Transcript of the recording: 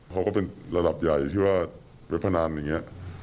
เขาก็เป็นระดับใหญ่ที่ว่ารถพนามอย่างนี้